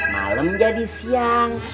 malem jadi siang